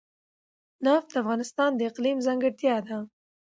نفت د افغانستان د اقلیم ځانګړتیا ده.